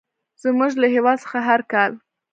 زموږ له هېواد څخه هر کال.